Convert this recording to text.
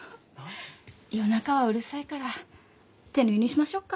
夜中はうるさいから手縫いにしましょうか。